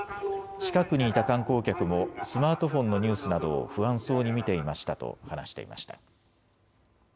近くにいた観光客も、スマートフォンのニュースなどを不安そうに見ていましたと話していました。